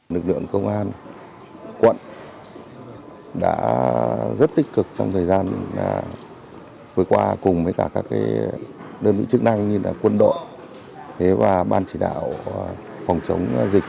lực lượng công an quận đã rất tích cực trong thời gian vừa qua cùng với cả các đơn vị chức năng như quân đội và ban chỉ đạo phòng chống dịch